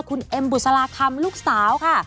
คุณเอ็มบุษลาคำลูกสาวค่ะ